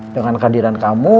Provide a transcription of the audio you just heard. dengan kehadiran kamu